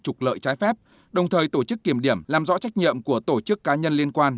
trục lợi trái phép đồng thời tổ chức kiểm điểm làm rõ trách nhiệm của tổ chức cá nhân liên quan